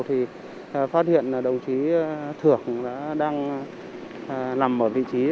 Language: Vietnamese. thì phát hiện là đồng chí thưởng đang nằm ở vị trí